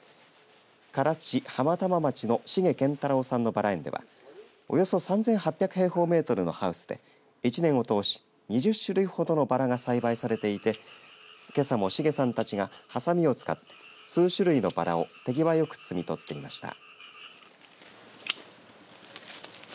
唐津市浜玉町の重研太郎さんのバラ園ではおよそ３８００平方メートルのハウスで１年を通し２０種類ほどのバラが栽培されていてけさも重さんたちが、はさみを使って数種類のバラを手際よく摘み取っていました。